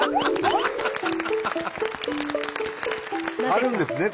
あるんですね